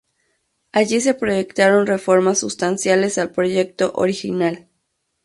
Allí se proyectaron reformas sustanciales al proyecto original.